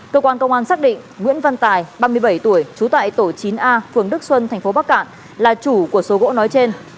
cơ quan công an xác định nguyễn văn tài ba mươi bảy tuổi trú tại tổ chín a phường đức xuân tp bắc cạn là chủ của số gỗ nói trên